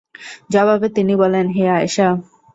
জবাবে তিনি বলেন, হে আয়েশা!